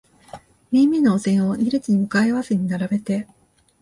めいめいのお膳を二列に向かい合わせに並べて、